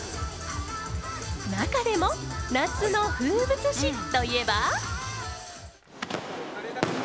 中でも夏の風物詩といえば。